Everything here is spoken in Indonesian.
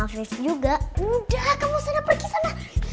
arif juga udah kamu sana pergi sana